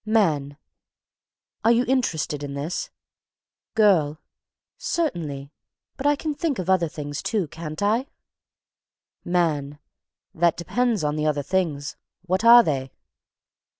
_ MAN. "Are you interested in this?" GIRL. "Certainly, but I can think of other things too, can't I?" MAN. "That depends on the 'other things.' What are they?"